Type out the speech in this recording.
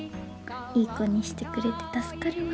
いい子にしてくれて助かるわ。